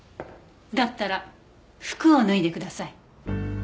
だったら服を脱いでください。